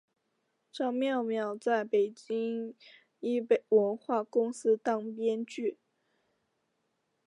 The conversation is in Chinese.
张寥寥在北京一文化公司当编剧。